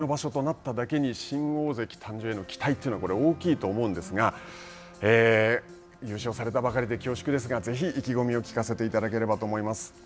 今場所は横綱・大関不在異例の場所となっただけに、新大関誕生への期待というのが大きいと思うんですが優勝されたばかりで恐縮ですがぜひ意気込みを聞かせていただければと思います。